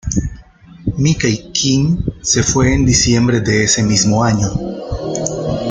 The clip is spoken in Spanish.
Mickey Keen se fue en diciembre de ese mismo año.